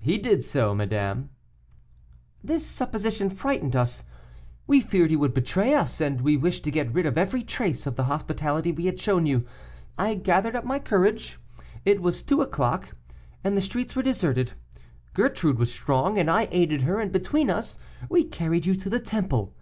"He did so, madame." "This supposition frightened us. We feared he would betray us, and we wished to get rid of every trace of the hospitality we had shown you. I gathered up my courage; it was two o'clock, and the streets were deserted; Gertrude was strong, and I aided her, and between us we carried you to the Temple.